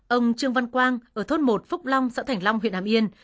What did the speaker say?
ông trương văn quang ở thôn một phúc long xã thảnh long huyện đàm yên